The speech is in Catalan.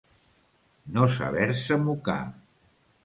No saber-se mocar.